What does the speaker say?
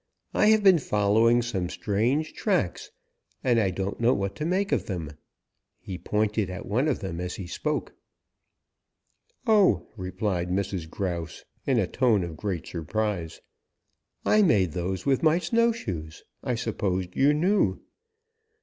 I have been following some strange tracks, and I don't know what to make of them." He pointed at one of them as he spoke. "Oh," replied Mrs. Grouse in a tone of great surprise. "I made those with my snowshoes. I supposed you knew."